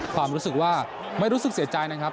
ความรู้สึกว่าไม่รู้สึกเสียใจนะครับ